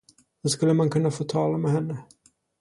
Och skulle man kunna få tala med henne.